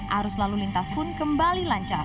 arus lalu lintas pun kembali lancar